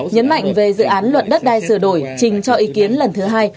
nhấn mạnh về dự án luật đất đai sửa đổi trình cho ý kiến lần thứ hai